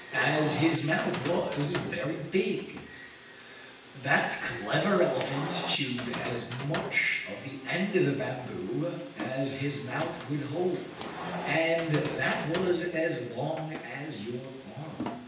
As his mouth was very big, that clever elephant chewed as much of the end of the bamboo as his mouth would hold and that was as long as your arm.